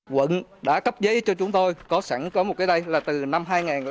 quận đã cấp giấy cho chúng tôi có sẵn có một cái đây là từ năm hai nghìn bảy